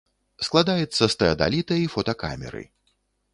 Складаецца з тэадаліта і фотакамеры.